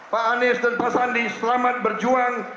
pak anies dan pak sandi selamat berjuang